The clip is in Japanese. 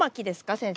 先生。